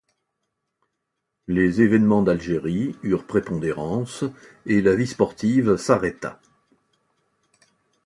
Les événements d’Algérie eurent prépondérance et la vie sportive s’arrêta.